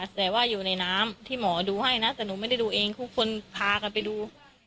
แต่ว่าอยู่ในน้ำที่หมอดูให้นะแต่หนูไม่ได้ดูเองทุกคนพากันไปดู